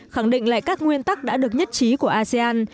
khẳng định lại các nguyên tắc đã được nhất trí của asean